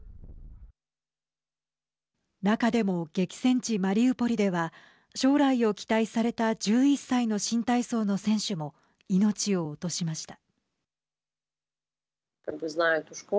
中でも、激戦地マリウポリでは将来を期待された１１歳の新体操の選手も命を落としました。